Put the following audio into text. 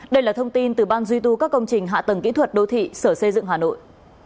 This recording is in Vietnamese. đây là thông tin từ ban duy tu các công trình hạ tầng kỹ thuật đô thị sở xây dựng hà nội